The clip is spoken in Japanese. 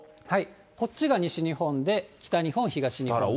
こっちが西日本で北日本、東日本です。